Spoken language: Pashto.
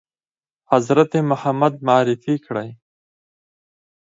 حضرت محمد معرفي کړی ؟